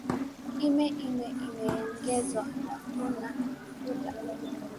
ime ime imeongezwa na kuna kula